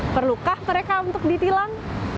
perlukah mereka untuk ditilang